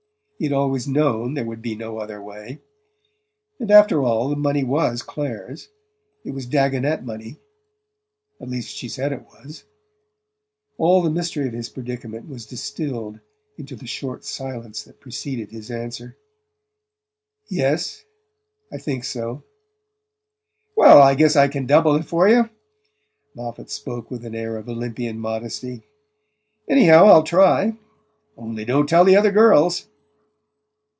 He had always known there would be no other way. And after all, the money was Clare's it was Dagonet money. At least she said it was. All the misery of his predicament was distilled into the short silence that preceded his answer: "Yes I think so." "Well, I guess I can double it for you." Moffatt spoke with an air of Olympian modesty. "Anyhow, I'll try. Only don't tell the other girls!"